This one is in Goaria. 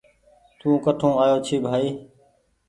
توڪٺون آيو ڇي بهائي